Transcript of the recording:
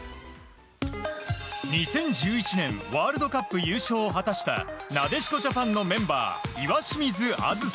２０１１年ワールドカップ優勝を果たしたなでしこジャパンのメンバー岩清水梓。